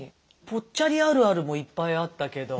ぽっちゃりあるあるもいっぱいあったけど。